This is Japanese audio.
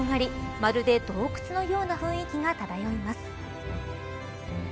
まるで洞窟のような雰囲気が漂います。